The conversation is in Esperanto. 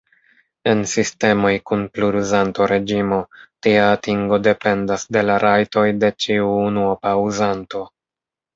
En sistemoj kun pluruzanto-reĝimo, tia atingo dependas de la rajtoj de ĉiu unuopa uzanto.